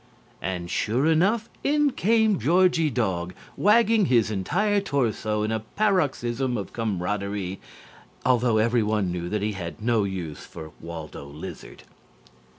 And, sure enough, in came Georgie Dog, wagging his entire torso in a paroxysm of camaradarie, although everyone knew that he had no use for Waldo Lizard.